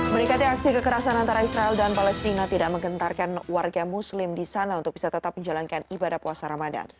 mereka di aksi kekerasan antara israel dan palestina tidak menggentarkan warga muslim di sana untuk bisa tetap menjalankan ibadah puasa ramadan